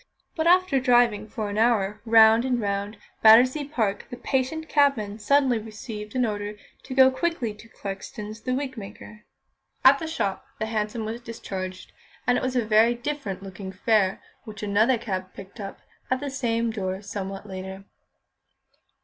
But after driving for an hour round and round Battersea Park, the patient cabman suddenly received an order to go quickly to Clarkson's, the wigmaker. At the shop, the hansom was discharged, and it was a very different looking fare which another cab picked up at the same door somewhat later.